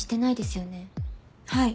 はい。